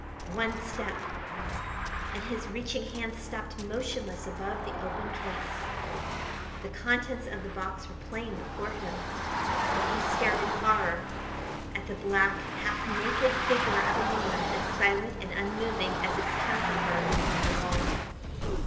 One step! and his reaching hands stopped motionless above the open case. The contents of the box were plain before him and he stared in horror at the black, half naked figure of a man as silent and unmoving as its counterpart upon the wall.